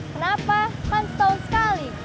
kenapa kan setahun sekali